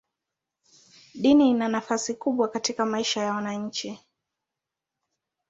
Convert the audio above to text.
Dini ina nafasi kubwa katika maisha ya wananchi.